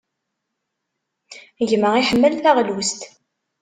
Gma iḥemmel taɣlust.